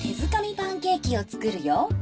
パンケーキを作るよ。